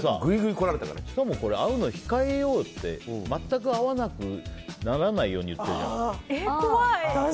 しかも、会うの控えようって全く会わなくならないように言ってるじゃん。